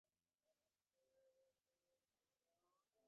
তিনি খুবই অবাক হয়ে বললেন, কই, কোনোদিন তো কিছু বল নাই!